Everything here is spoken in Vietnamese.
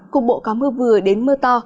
cục bộ có mưa vừa đến mưa to